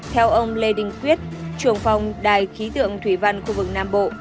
theo ông lê đinh quyết trường phòng đài khí tượng thủy văn khu vực nam bộ